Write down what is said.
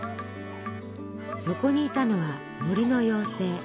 そこにいたのは森の妖精。